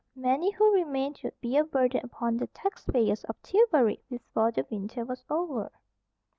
Many who remained would be a burden upon the taxpayers of Tillbury before the winter was over.